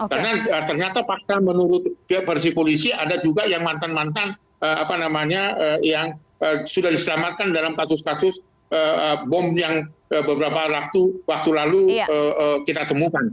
karena ternyata pakar menurut versi polisi ada juga yang mantan mantan yang sudah diselamatkan dalam kasus kasus bom yang beberapa waktu lalu kita temukan